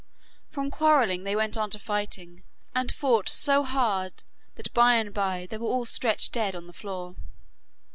From quarrelling they went on to fighting, and fought so hard that by and bye they were all stretched dead on the floor.